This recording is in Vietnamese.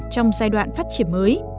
trong giai đoạn phát triển mới